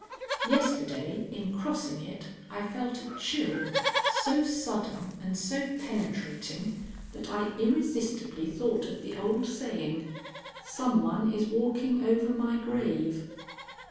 Yesterday, in crossing it, I felt a chill, so sudden and so penetrating, that I irresistibly thought of the old saying, "Some one is walking over my grave."